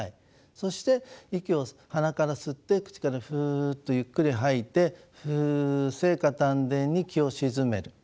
そして息を鼻から吸って口からフッとゆっくり吐いてフッ臍下丹田に気を静める。